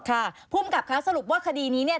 ค่ะผู้กรรมครับสรุปว่าคดีนี้เนี่ย